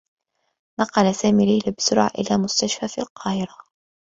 نقل سامي ليلى بسرعة إلى مستشفى في القاهرة.